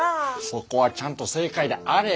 そこはちゃんと正解であれ！